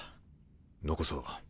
残そう。